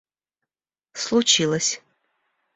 случилось